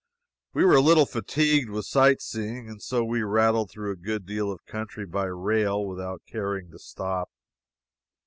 We were a little fatigued with sight seeing, and so we rattled through a good deal of country by rail without caring to stop.